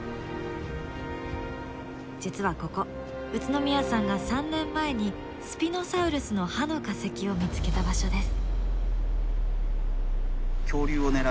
実はここ宇都宮さんが３年前にスピノサウルスの歯の化石を見つけた場所です。